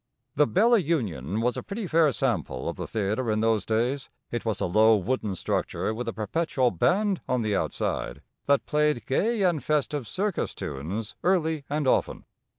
The Bella Union was a pretty fair sample of the theatre in those days. It was a low wooden structure with a perpetual band on the outside, that played gay and festive circus tunes early and often.